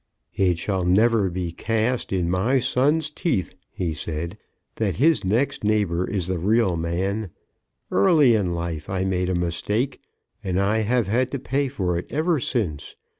"It shall never be cast in my son's teeth," he said, "that his next neighbour is the real man. Early in life I made a mistake, and I have had to pay for it ever since.